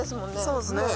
そうですね